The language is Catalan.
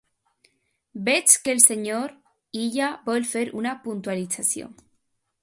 Veig que el senyor Illa vol fer una puntualització.